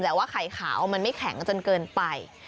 แต่ว่าไข่ขาวมันไม่แข็งจนเกินไป